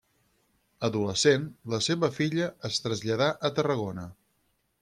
Adolescent, la seva família es traslladà a Tarragona.